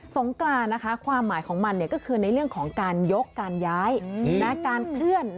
งกรานความหมายของมันก็คือในเรื่องของการยกการย้ายการเคลื่อน